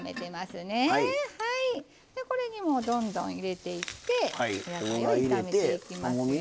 じゃこれにもうどんどん入れていってお野菜を炒めていきますよ。